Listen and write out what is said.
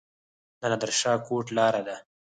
د نادر شاه کوټ لاره ده